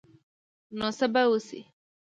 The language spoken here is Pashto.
نو څه به وشي ؟